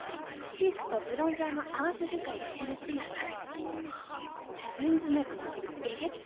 「チークとブロンザーの合わせ使いでヘルシー肌に」。はメンズメイクの進化えげつなっ。